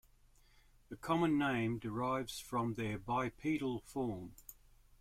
The common name derives from their bipedal form.